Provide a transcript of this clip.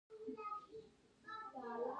د ګندنه ګل د بواسیر لپاره وکاروئ